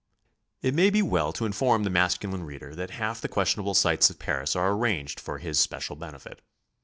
It may be well to inform the masculine reader that half the questionable sights of Paris are arranged for his special benefit.